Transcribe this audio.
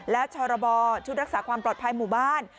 และชรบชุดรักษาความปลอดภัยหมู่บ้าน